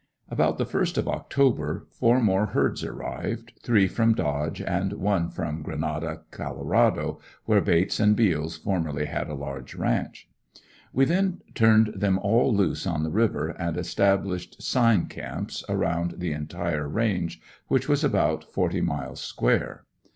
About the first of October four more herds arrived; three from Dodge and one from Grenada, Colorado, where Bates & Beals formerly had a large ranch. We then turned them all loose on the river and established "Sign" camps around the entire range, which was about forty miles square.